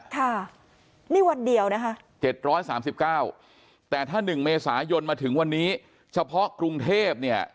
ค่ะนี่วันเดียวนะคะ๗๓๙แต่ถ้า๑เมษายนมาถึงวันนี้เฉพาะกรุงเทพเนี่ย